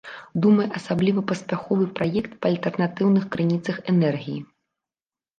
Думаю, асабліва паспяховы праект па альтэрнатыўных крыніцах энергіі.